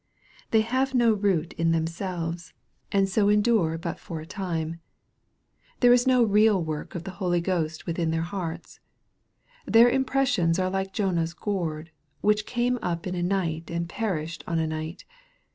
" They have no root in themselves, and so endure but tor MARK, CHAP. IV. 65 a time." There is no real work of the Holy Ghost with in their hearts. Their impressions are like Jonah's gourd, which came up in a night and perished in a night.